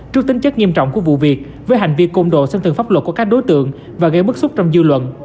trước tính chất nghiêm trọng của vụ việc với hành vi công độ xâm thường pháp luật của các đối tượng và gây mức xúc trong dư luận